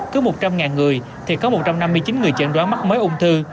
cứ một trăm linh người thì có một trăm năm mươi chín người chẩn đoán mắc mới ung thư